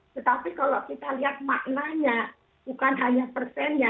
tetapi kalau kita lihat maknanya bukan hanya persennya